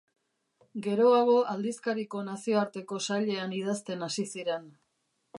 Geroago aldizkariko nazioarteko sailean idazten hasi ziren.